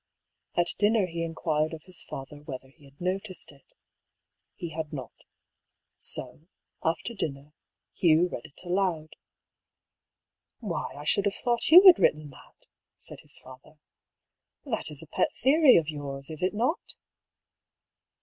At dinner he inquired of his father whether he had noticed it He had not. So, after dinner Hugh read it aloud. " Why, I should have thought you had written that," said his father. " That is a pet theory of yours, is it not?"